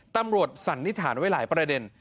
สันนิษฐานไว้หลายประเด็น